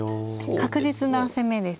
確実な攻めですね。